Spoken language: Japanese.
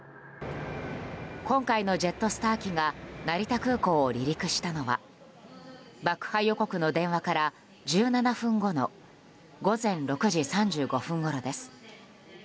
今回のジェットスター機が成田空港を離陸したのは爆破予告の電話から１７分後の午前６時３５分ごろです。